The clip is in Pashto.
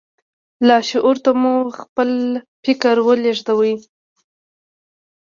لاشعور ته مو خپل فکر ولېږدوئ.